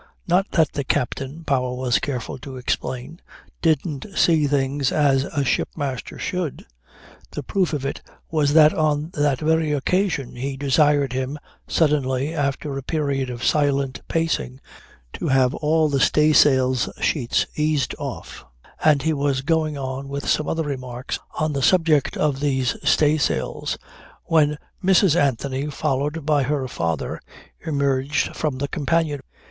Not that the captain Powell was careful to explain didn't see things as a ship master should. The proof of it was that on that very occasion he desired him suddenly after a period of silent pacing, to have all the staysails sheets eased off, and he was going on with some other remarks on the subject of these staysails when Mrs. Anthony followed by her father emerged from the companion.